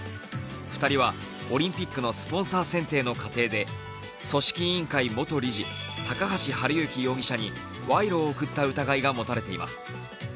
２人はオリンピックのスポンサー選定の過程で、組織委員会元理事・高橋治之容疑者に賄賂を贈った疑いが持たれています。